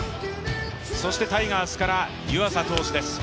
タイガースから湯浅投手です。